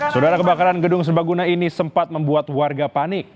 saudara kebakaran gedung sebaguna ini sempat membuat warga panik